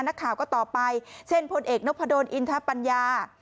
นักข่าวก็ต่อไปเช่นพลเอกนพดลอินทปัญญา